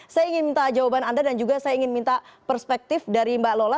saya ingin minta jawaban anda dan juga saya ingin minta perspektif dari mbak lola